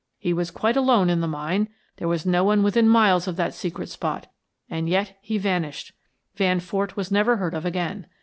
He was quite alone in the mine, there was no one within miles of that secret spot. And yet he vanished. Van Fort was never heard of again.